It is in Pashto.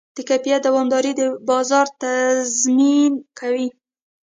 د کیفیت دوامداري د بازار تضمین کوي.